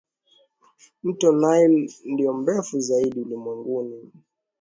Mto Nile ndio mrefu zaidi ulimwenguni Mti